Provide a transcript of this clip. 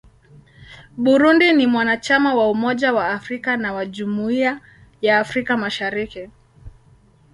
Burundi ni mwanachama wa Umoja wa Afrika na wa Jumuiya ya Afrika Mashariki.